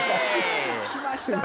きましたね。